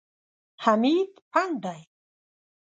حمید پنډ دی.